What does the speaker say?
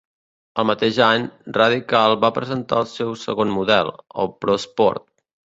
El mateix any, Radical va presentar el seu segon model, el Prosport.